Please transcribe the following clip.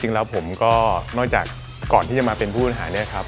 จริงแล้วผมก็นอกจากก่อนที่จะมาเป็นผู้อำนวณหา